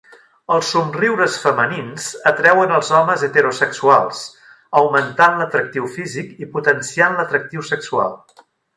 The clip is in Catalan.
Els somriures femenins atreuen als homes heterosexuals, augmentant l'atractiu físic i potenciant l'atractiu sexual.